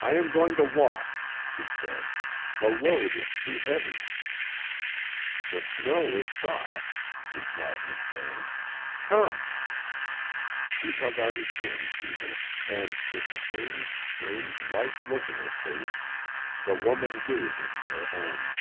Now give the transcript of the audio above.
"I am going to walk," she said. "The load is too heavy." "The snow is soft," replied MacVeigh. "Come." He held out his hand to her; and, with the same strange, white look in her face, the woman gave him her own.